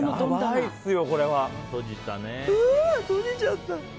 うわー、とじちゃった！